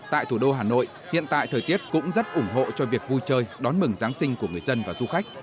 tại thủ đô hà nội hiện tại thời tiết cũng rất ủng hộ cho việc vui chơi đón mừng giáng sinh của người dân và du khách